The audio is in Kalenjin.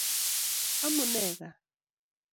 amunee gaa